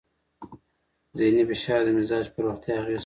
ذهنې فشار د مزاج پر روغتیا اغېز کوي.